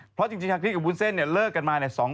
เพราะจริงชาคริสกับวุ้นเส้นเนี่ยเลิกกันมาเนี่ย